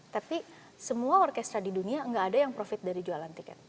tapi semua orkestra di dunia nggak ada yang profit dari jualan tiket